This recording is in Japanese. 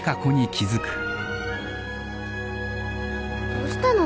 ☎どうしたの？